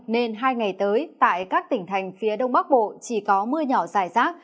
nên hai ngày tới tại các tỉnh thành phía đông bắc bộ chỉ có mưa nhỏ dài rác